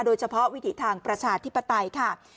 โดยเฉพาะวิถีทางประชาธิปไตยค่ะ